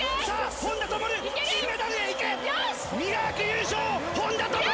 さあ、本多灯、金メダルへ行け！